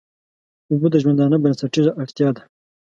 اوبه د ژوندانه بنسټيزه اړتيا ده.